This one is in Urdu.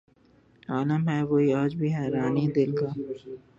عالم ہے وہی آج بھی حیرانئ دل کا